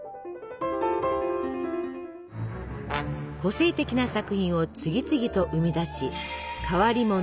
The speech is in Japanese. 個性的な作品を次々と生み出し「変わり者」